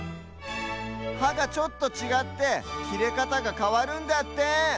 はがちょっとちがってきれかたがかわるんだって！